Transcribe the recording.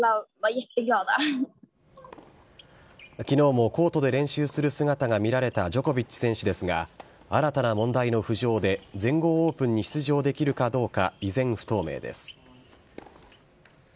きのうもコートで練習する姿が見られたジョコビッチ選手ですが、新たな問題の浮上で全豪オープンに出場できるかどうか、依然不透明です。